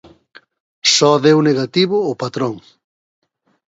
Só deu negativo o patrón.